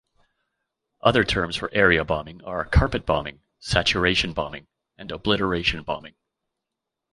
Other terms for area bombing are "carpet bombing", "saturation bombing", and "obliteration bombing".